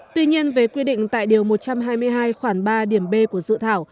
tuy nhiên về quy định tại điều một trăm hai mươi hai khoảng ba điểm b của dự thảo